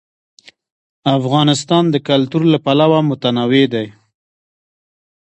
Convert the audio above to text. افغانستان د کلتور له پلوه متنوع دی.